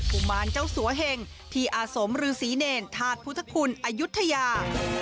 ุมารเจ้าสัวเหงที่อาสมฤษีเนรธาตุพุทธคุณอายุทยา